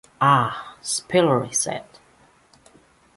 "Ah, Spiller," he said.